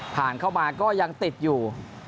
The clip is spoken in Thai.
ผ่านเข้ามาก็ยังติดอยู่